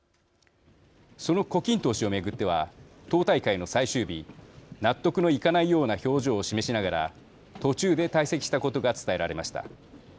その胡錦涛氏を巡っては党大会の最終日納得のいかないような表情を示しながら途中で退席したことが伝えられました。